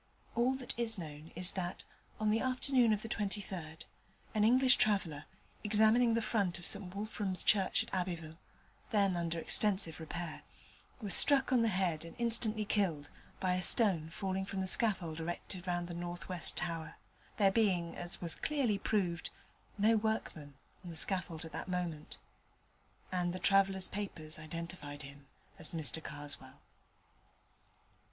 All that is known is that, on the afternoon of the 23rd, an English traveller, examining the front of St Wulfram's Church at Abbeville, then under extensive repair, was struck on the head and instantly killed by a stone falling from the scaffold erected round the north western tower, there being, as was clearly proved, no workman on the scaffold at that moment: and the traveller's papers identified him as Mr Karswell.